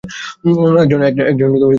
একজন বন্দুক আনিতে গেল।